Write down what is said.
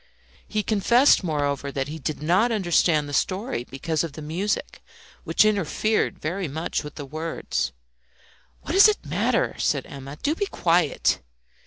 He confessed, moreover, that he did not understand the story because of the music, which interfered very much with the words. "What does it matter?" said Emma. "Do be quiet!"